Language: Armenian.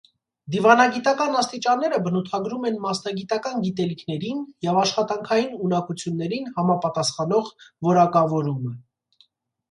Դիվանագիտական աստիճանները բնութագրում են մասնագիտական գիտելիքներին և աշխատանքային ունակություններին համապատասխանող որակավորումը։